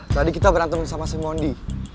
tadi kita berantem sama si mondi